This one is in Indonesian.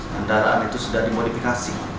kendaraan itu sudah dimodifikasi